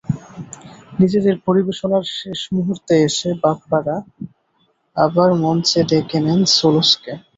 নিজেদের পরিবেশনার শেষ মুহূর্তে এসে বাপ্পারা আবার মঞ্চে ডেকে নেন সোলসকে।